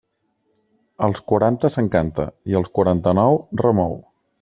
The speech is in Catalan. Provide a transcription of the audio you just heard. Als quaranta s'encanta, i als quaranta-nou remou.